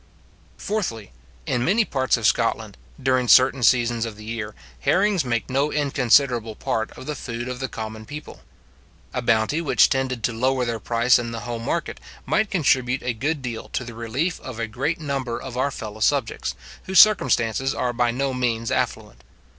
Fourthly, In many parts of Scotland, during certain seasons of the year, herrings make no inconsiderable part of the food of the common people. A bounty which tended to lower their price in the home market, might contribute a good deal to the relief of a great number of our fellow subjects, whose circumstances are by no means affluent.